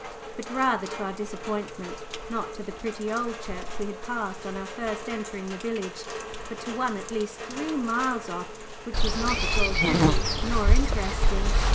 But, rather to our disappointment, not to the pretty old church we had passed on first entering the village, but to one at least three miles off, which was not at all pretty nor interesting.